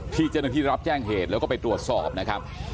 ที่เจ้าหน้าที่รับแจ้งเหตุแล้วก็ไปตรวจสอบนะครับ